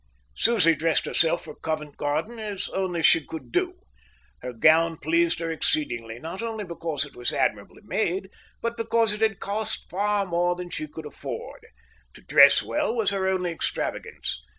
Susie dressed herself for Covent Garden as only she could do. Her gown pleased her exceedingly, not only because it was admirably made, but because it had cost far more than she could afford. To dress well was her only extravagance.